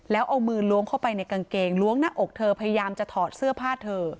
แล้วเอามือล้วงเข้าไปในกางเกงล้วงหน้าอกเธอพยายามจะถอดเสื้อผ้าเธอ